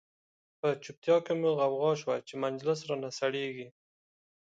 په چوپتیا کی مو غوغا شه، چه مجلس را نه سړیږی